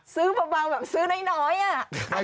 เบาแบบซื้อน้อยอะ